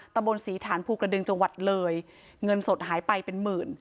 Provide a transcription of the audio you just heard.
บนศรีฐานภูกระดึงจังหวัดเลยเงินสดหายไปเป็นหมื่น